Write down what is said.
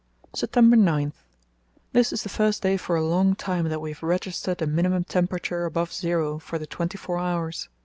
"September 9.—This is the first day for a long time that we have registered a minimum temperature above zero for the twenty four hours.